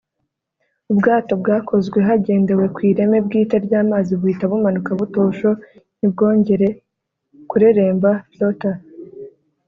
ubwato bwakozwe hagendewe ku ireme bwite ry'amazi buhita bumanuka butosho ntibwongere kureremba (Flotter)